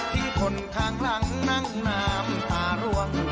ที่คนข้างหลังนั่งนามพาหลวง